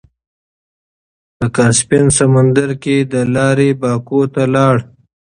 د کاسپين سمندرګي له لارې باکو ته لاړ.